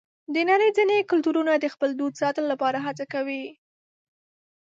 د نړۍ ځینې کلتورونه د خپل دود ساتلو لپاره هڅه کوي.